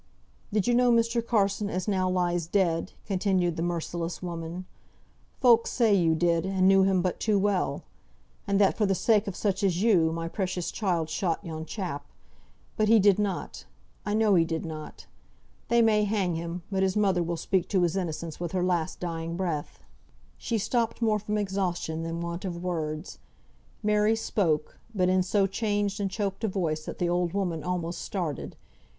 "Did you know Mr. Carson as now lies dead?" continued the merciless woman. "Folk say you did, and knew him but too well. And that for the sake of such as you, my precious child shot yon chap. But he did not. I know he did not. They may hang him, but his mother will speak to his innocence with her last dying breath." She stopped more from exhaustion than want of words. Mary spoke, but in so changed and choked a voice that the old woman almost started.